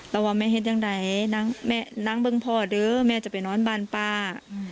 เราว่าแม่เฮ็ดยังไหนน้องเบิ่งพ่อเด้อแม่จะไปนอนบ้านป้า